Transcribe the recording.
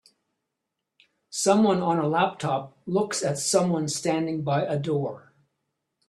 Someone on a laptop looks at someone standing by a door